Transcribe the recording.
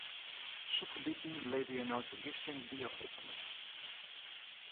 Sûkerbiten leverje nei fergisting bio-etanol.